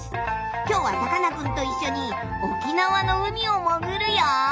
今日はさかなクンと一緒に沖縄の海を潜るよ！